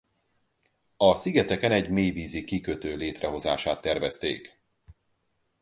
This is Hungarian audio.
A szigeteken egy mélyvízi kikötő létrehozását tervezték.